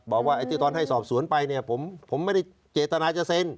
บอกว่าตอนให้สอบสวนไปผมไม่ได้เจตนาจะเซ็น